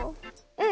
うん！